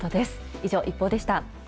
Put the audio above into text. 以上、ＩＰＰＯＵでした。